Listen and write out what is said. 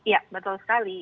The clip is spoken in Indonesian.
ya betul sekali